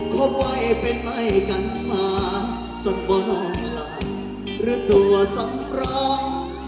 พบไว้เป็นไงกันมาส่วนบ้านหลังหรือตัวสำรอง